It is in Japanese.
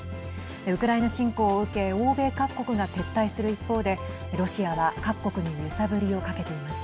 ウクライナ侵攻を受け欧米各国が撤退する一方でロシアは各国に揺さぶりをかけています。